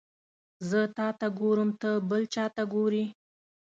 زه تاته ګورم ته بل چاته ګوري